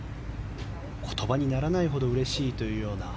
言葉にならないほどうれしいというような。